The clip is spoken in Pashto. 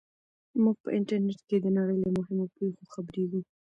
موږ په انټرنیټ کې د نړۍ له مهمو پېښو خبریږو.